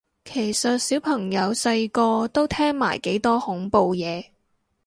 其實小朋友細個都聽埋幾多恐怖嘢